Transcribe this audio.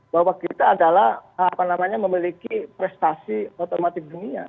bahwa kita adalah memiliki prestasi otomatis dunia